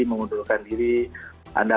mengundurkan diri ada